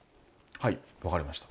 はい分かりました。